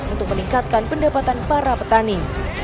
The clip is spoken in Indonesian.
untuk meningkatkan pendapatan para petani